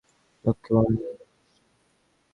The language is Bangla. লক্ষ্মী বোন, ভুলিস নে।